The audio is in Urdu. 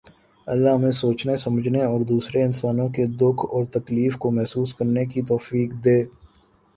اللہ ہمیں سوچنے سمجھنے اور دوسرے انسانوں کے دکھ اور تکلیف کو محسوس کرنے کی توفیق دے